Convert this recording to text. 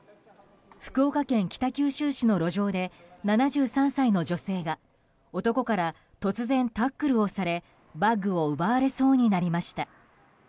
福岡県北九州市の路上で７３歳の女性が男から突然タックルをされバッグを奪われそうになりました。